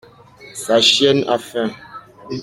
Sa chienne a faim.